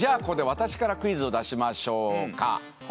ここで私からクイズを出しましょうか。